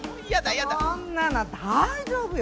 そんなの大丈夫よ。